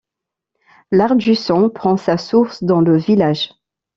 L'Ardusson prend sa source dans le village.